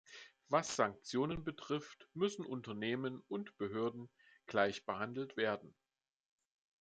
Was Sanktionen betrifft, müssen Unternehmen und Behörden gleich behandelt werden.